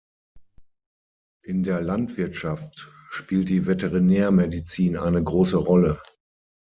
In der Landwirtschaft spielt die Veterinärmedizin eine große Rolle.